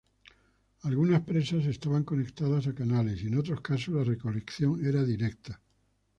Algunas presas estaban conectadas a canales y en otros casos la recolección era directa.